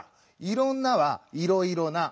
「いろんな」は「いろいろな」。